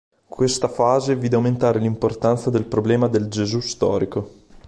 Questa fase vide aumentare l'importanza del problema del Gesù storico.